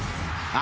あ！